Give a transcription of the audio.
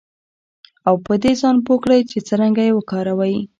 او په دې ځان پوه کړئ چې څرنګه یې وکاروئ